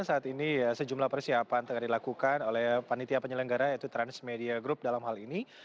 saat ini sejumlah persiapan tengah dilakukan oleh panitia penyelenggara yaitu transmedia group dalam hal ini